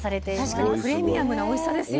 確かにプレミアムなおいしさですよね。